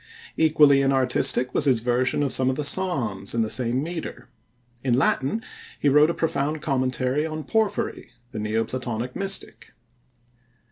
Equally inartistic was his version of some of the Psalms in the same metre. In Latin he wrote a profound commentary on Porphyry, the Neo Platonic mystic.